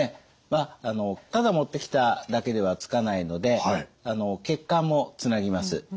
まあただ持ってきただけではつかないので血管もつなぎます。